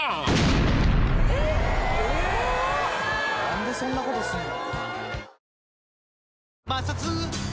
何でそんなことすんの？